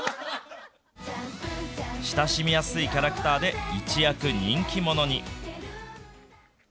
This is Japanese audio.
親しみやすいキャラクターで、一躍人気者に。